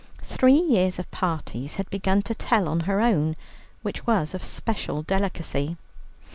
Three years of parties had begun to tell on her own, which was of special delicacy.